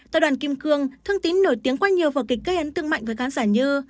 tại đoàn kim cương thương tín nổi tiếng quá nhiều vào kịch cây ấn tương mạnh với cán giả như